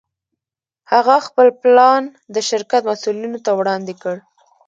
هغه خپل پلان د شرکت مسوولينو ته وړاندې کړ.